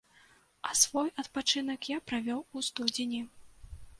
А свой адпачынак я правёў у студзені.